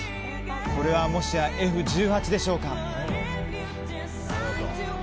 これはもしやＦ１８でしょうか？